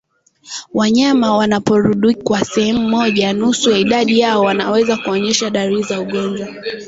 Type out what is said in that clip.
Wanyama wanaporundikwa sehemu moja nusu ya idadi yao wanaweza kuonyesha dalili za ugonjwa